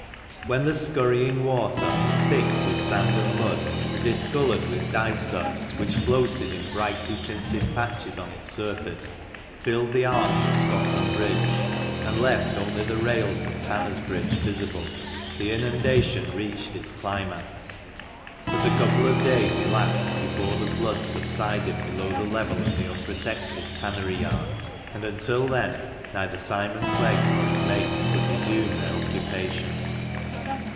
HEN the scurrying water, thick with sand and mud, and discoloured with dye stuffs, which floated in brightly tinted patches on its surface, filled the arch of Scotland Bridge, and left only the rails of Tanners' Bridge visible, the inundation reached its climax ; but a couple of days elapsed before the flood subsided below the level of the unprotected tannery yard, and until then neither Simon Clegg nor his mates could resume their occupations.